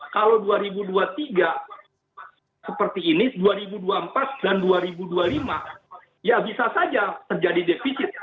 kalau dua ribu dua puluh tiga seperti ini dua ribu dua puluh empat dan dua ribu dua puluh lima ya bisa saja terjadi defisit